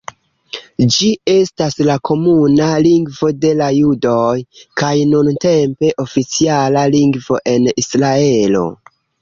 Ĝi estas la komuna lingvo de la judoj, kaj nuntempe oficiala lingvo en Israelo.